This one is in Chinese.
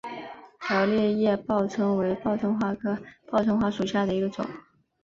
条裂叶报春为报春花科报春花属下的一个种。